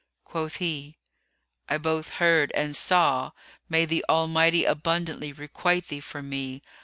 Quoth he, "I both heard and saw: May the Almighty abundantly requite thee for me!